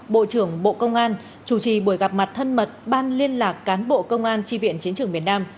bộ trưởng bộ công an chủ trì buổi gặp mặt thân mật ban liên lạc cán bộ công an tri viện chiến trường miền nam